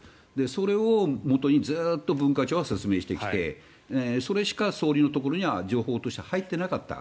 それをもとにずっと文化庁は説明してきてそれしか総理のところには情報として入っていなかった。